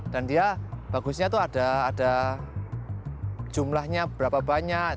dan dia bagusnya ada jumlahnya berapa banyak